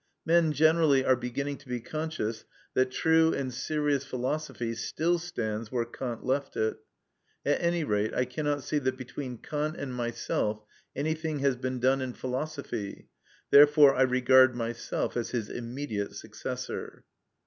Men generally are beginning to be conscious that true and serious philosophy still stands where Kant left it. At any rate, I cannot see that between Kant and myself anything has been done in philosophy; therefore I regard myself as his immediate successor.